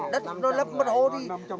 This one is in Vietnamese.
đất nó lấp mất hố đi